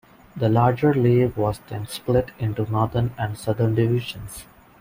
The larger league was then split into Northern and Southern Divisions.